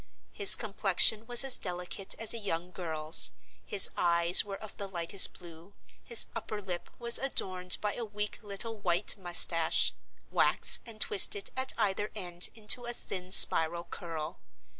His complexion was as delicate as a young girl's, his eyes were of the lightest blue, his upper lip was adorned by a weak little white mustache, waxed and twisted at either end into a thin spiral curl.